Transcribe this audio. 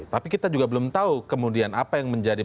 tapi kita juga belum tahu kemudian apa yang menjadi